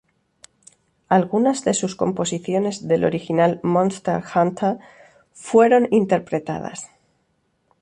Algunas de sus composiciones del original Monster Hunter fueron interpretadas.